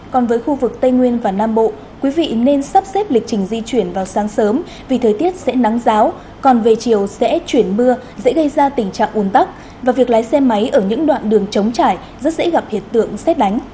còn với khu vực tây nguyên và nam bộ quý vị nên sắp xếp lịch trình di chuyển vào sáng sớm vì thời tiết sẽ nắng giáo còn về chiều sẽ chuyển mưa sẽ gây ra tình trạng ồn tắc và việc lái xe máy ở những đoạn đường chống trải rất dễ gặp hiện tượng xét đánh